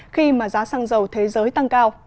khi mà giá xăng dầu thế giới tăng cao